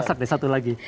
masak deh satu lagi